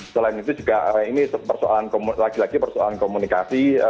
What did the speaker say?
selain itu juga ini persoalan lagi lagi persoalan komunikasi